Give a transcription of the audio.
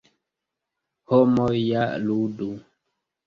Homoj ja ludu.